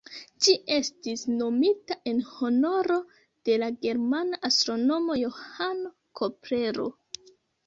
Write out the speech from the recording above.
Ĝi estis nomita en honoro de la germana astronomo Johano Keplero.